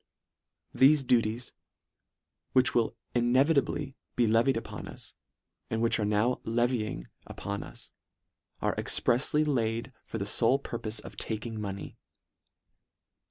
c Thefe duties, which will inevitably be le vied upon us, and which are now levying up on us, are exprefsly laid for the fole purpofe of taking money.